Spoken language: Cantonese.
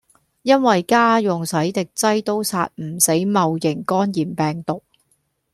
因為家用洗滌劑都殺唔死戊型肝炎病毒